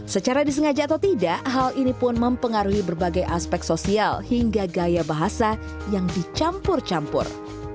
secara disengaja atau tidak hal ini pun mempengaruhi berbagai aspek sosial hingga gaya bahasa yang dicampur campur